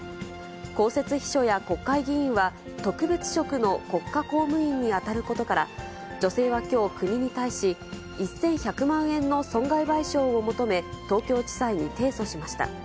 公設秘書や国会議員は、特別職の国家公務員に当たることから、女性はきょう、国に対し、１１００万円の損害賠償を求め、東京地裁に提訴しました。